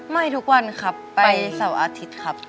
ไม่ทุกวันครับไปเสาร์อาทิตย์ครับ